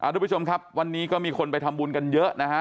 ทุกผู้ชมครับวันนี้ก็มีคนไปทำบุญกันเยอะนะฮะ